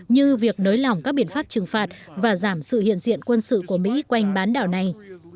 như việc nới lỏng các biện pháp trừng phạt và giảm sự hiện diện quân sự của mỹ quanh bán đảo này